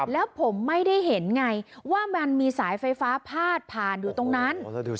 แล้วผมไม่ได้เห็นไงว่ามันมีสายไฟฟ้าพาดผ่านอยู่ตรงนั้น